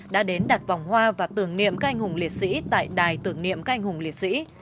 đã đến đặt vòng hoa và tưởng niệm các anh hùng liệt sĩ tại đài tưởng niệm các anh hùng liệt sĩ